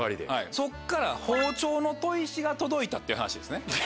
そっから包丁の砥石が届いたっていう話ですね。